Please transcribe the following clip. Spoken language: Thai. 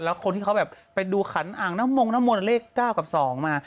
แล้วคนที่เขาแบบไปดูขันอ่างน้ำมงน้ำมนต์เลข๙กับ๒มา